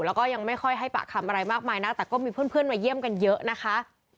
แล้วก็ยังไม่ค่อยให้ปากคำอะไรมากมายนักแต่ก็มีเพื่อนมาเยี่ยมกันเยอะนะคะ